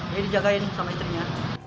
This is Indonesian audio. jadi dijagain sama istrinya